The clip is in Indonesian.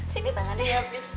sini tangannya ya pi